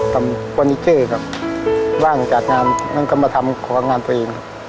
ทำฟอนิเชอครับว่างจัดงานแล้วก็มาทำของงานตัวเองครับ